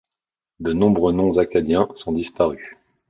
De nombreux noms acadiens sont disparus.